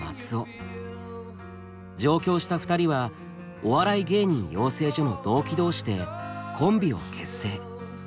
上京した２人はお笑い芸人養成所の同期同士でコンビを結成。